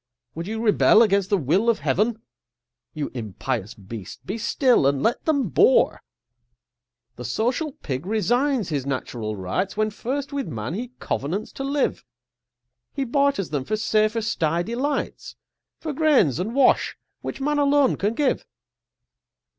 Would you rebel against the will of Heaven? You impious beast, be still, and let them bore! The social Pig resigns his natural rights When first with man he covenants to live; He barters them for safer stye delights, For grains and wash, which man alone can give.